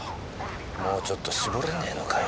もうちょっと絞れねえのかよ。